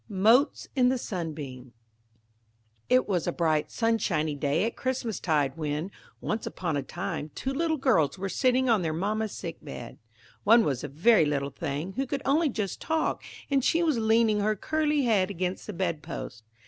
MOTES IN THE SUNBEAM IT was a bright, sunshiny day at Christmas tide, when, once upon a time, two little girls were sitting on their mamma's sick bed. One was a very little thing, who could only just talk, and she was leaning her curly head against the bed post.